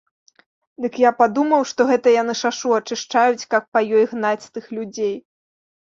Дык я падумаў, што гэта яны шашу ачышчаюць, каб па ёй гнаць тых людзей.